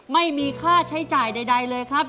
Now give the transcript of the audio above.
ไม่มีค่าใช้จ่ายใดเลยครับ